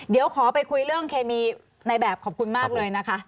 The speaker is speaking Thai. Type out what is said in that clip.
เดี๋ยวขอไปคุยเรื่องเคมีในแบบขอบคุณมากเลยนะคะ